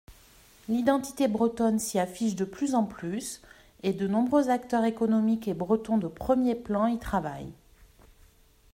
L’identité bretonne s’y affiche de plus en plus et de nombreux acteurs économiques bretons de premiers plans y travaillent.